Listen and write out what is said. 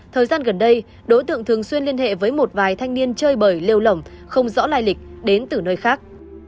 thời gian gần đây đối tượng thường xuyên liên hệ với một vài thanh niên chơi bởi lêu lỏng không rõ lai lịch đến từ nơi khác